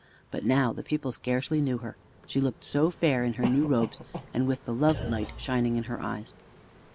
But now the people scarcely knew her: she looked so fair in her new robes and with the love light shining in her eyes.